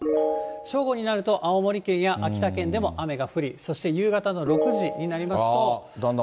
正午になると、青森県や秋田県でも雨が降り、そして夕方の６時になりますと。